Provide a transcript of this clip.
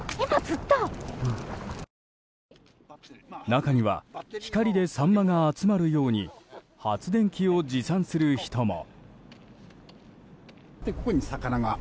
中には光でサンマが集まるように発電機を持参する人も。